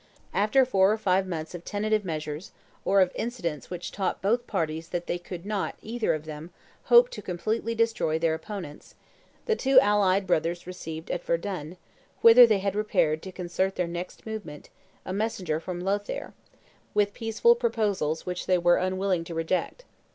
After four or five months of tentative measures or of incidents which taught both parties that they could not, either of them, hope to completely destroy their opponents, the two allied brothers received at Verdun, whither they had repaired to concert their next movement, a messenger from Lothaire, with peaceful proposals which they were unwilling to reject.